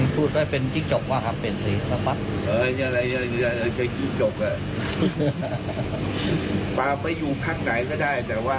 ก็เอาไปอยู่พักไหนก็ได้